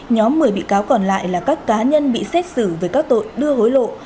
nhóm một mươi bị cáo còn lại là các cá nhân bị xét xử với các tội đưa hối lộ